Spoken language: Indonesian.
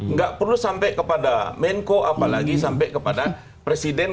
nggak perlu sampai kepada menko apalagi sampai kepada presiden